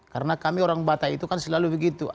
karena kami orang batai itu kan selalu begitu